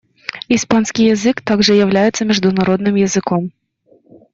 Испанский язык также является международным языком.